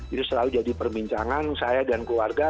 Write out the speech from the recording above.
itu selalu jadi perbincangan saya dan keluarga